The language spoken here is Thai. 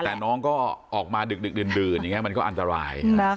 แต่น้องก็ออกมาดึกดื่นมันก็อันตราย